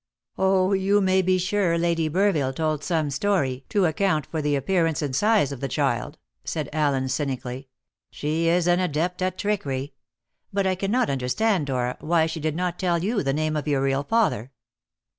"Oh, you may be sure Lady Burville told some story to account for the appearance and size of the child," said Allen cynically. "She is an adept at trickery. But I cannot understand, Dora, why she did not tell you the name of your real father."